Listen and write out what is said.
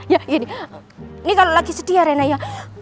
ya gini ini kalau lagi sedih ya reina ya